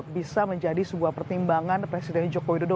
bisa menjadi sebuah pertimbangan presiden jokowi dodo